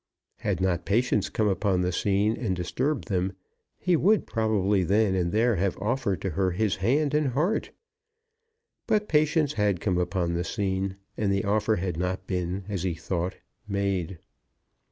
Had not Patience come upon the scene, and disturbed them, he would probably then and there have offered to her his hand and heart. But Patience had come upon the scene, and the offer had not been, as he thought, made.